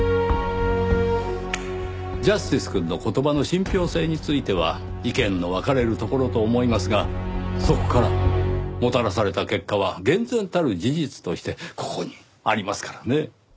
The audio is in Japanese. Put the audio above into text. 正義くんの言葉の信憑性については意見の分かれるところと思いますがそこからもたらされた結果は厳然たる事実としてここにありますからね。